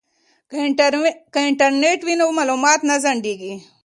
که انټرنیټ وي نو معلومات نه ځنډیږي.